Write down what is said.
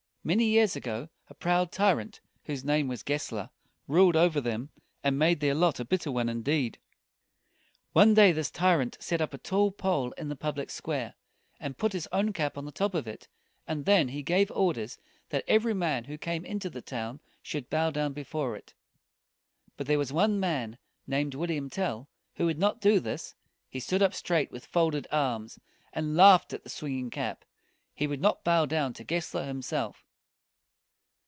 Many years ago a proud tyrant, whose name was Gessler, ruled over them, and made their lot a bitter one indeed. One day this tyrant set up a tall pole in the public square, and put his own cap on the top of it; and then he gave orders that every man who came into the town should bow down before it. But there was one man, named William Tell, who would not do this. He stood up straight with folded arms, and laughed at the swinging cap. He would not bow down to Gessler himself.